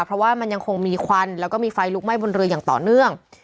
เพราะว่ามันยังคงมีควันแล้วก็มีไฟลุกไหม้บนเรืออย่างต่อเนื่อง